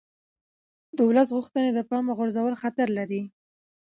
د ولس غوښتنې د پامه غورځول خطر لري